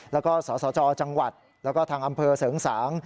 แล้วก็สสจจังหวัดแล้วก็ทางอำเภอเสริงสาง